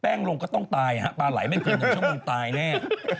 แป้งลงก็ต้องตายฮะปลาไหลไม่กินถ้าช่างมุมตายแน่